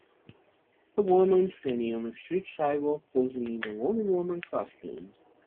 A woman standing on a street sidewalk posing in a wonder woman costume.